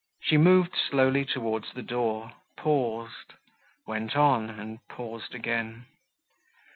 She moved slowly towards the door, paused, went on, and paused again.